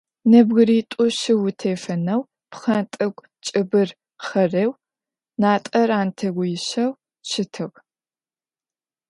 Нэбгыритӏу-щы утефэнэу, пхъэнтӏэкӏу кӏыбыр хъэрэу, натӏэр ӏантэгъуищэу щытыгъ.